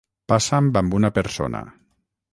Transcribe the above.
Passa'm amb una persona.